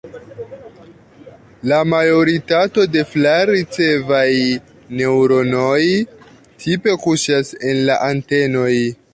La majoritato de flar-ricevaj neŭronoj tipe kuŝas en la antenoj.